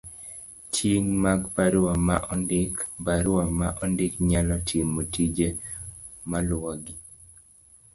Ting ' mag barua ma ondik.barua ma ondik nyalo timo tije maluwogi.